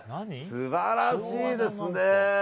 素晴らしいですね。